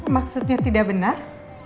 maksudnya tidak benar